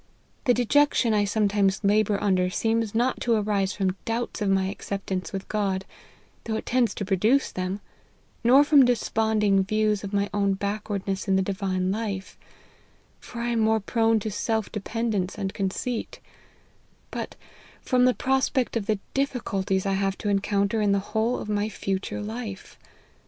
The dejection I sometimes labour under seems not to arise from doubts of my acceptance with God, though it tends to produce them ; nor from despond ing views of my own backwardness in the divine life, for I am more prone to self dependence and conceit ; but from the prospect of the difficulties I have to encounter in the whole of my future life.